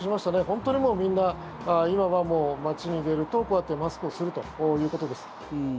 本当にみんな今は街に出るとこうやってマスクをするということです。